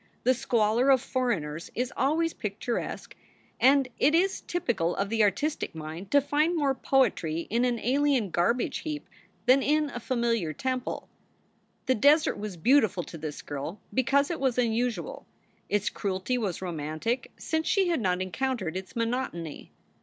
The squalor of foreigners is always picturesque and it is typical of the artistic mind to find more poetry in an alien garbage heap than in a familiar temple. The desert was beautiful to this girl because it was unusual. Its cruelty was romantic, since she had not encountered its monotony.